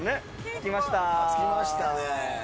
着きました。